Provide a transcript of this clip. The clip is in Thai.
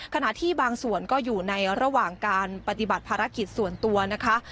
ขณะที่บางส่วนก็อยู่ในระหว่างการปฏิบัติภารกิจส่วนตัวนะคะ